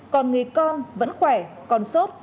còn người con vẫn khỏe còn sốt